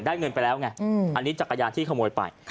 เงินไปแล้วไงอันนี้จักรยานที่ขโมยไป